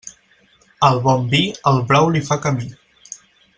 Al bon vi el brou li fa camí.